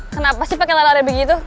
kenapa sih pake lalari begitu